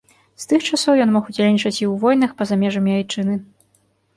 З тых часоў ён мог удзельнічаць і ў войнах па-за межамі айчыны.